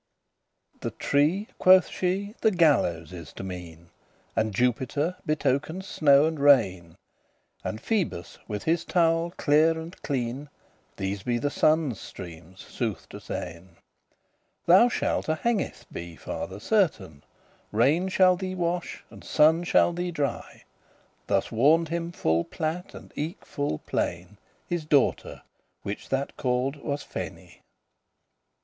"The tree," quoth she, "the gallows is to mean, And Jupiter betokens snow and rain, And Phoebus, with his towel clear and clean, These be the sunne's streames* sooth to sayn; *rays Thou shalt y hangeth be, father, certain; Rain shall thee wash, and sunne shall thee dry." Thus warned him full plat and eke full plain His daughter, which that called was Phanie.